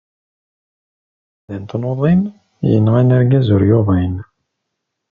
Lemɛenda n tnuḍin, yenɣan argaz ur yuḍin.